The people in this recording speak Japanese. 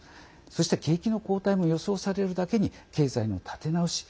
そして、景気の後退も予想されるだけに経済の立て直し